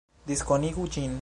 Diskonigu ĝin